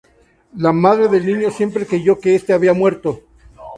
La madre del niño siempre creyó que este había muerto.